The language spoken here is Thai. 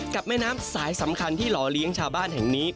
แม่น้ำสายสำคัญที่หล่อเลี้ยงชาวบ้านแห่งนี้